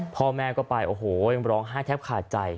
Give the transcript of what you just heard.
พ่อแม่ก็ไปโอ้โหยังร้องไห้แทบขาดใจ